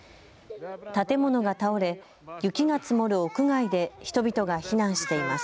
建物が倒れ雪が積もる屋外で人々が避難しています。